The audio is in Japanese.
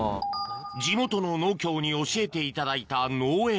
地元の農協に教えていただいた農園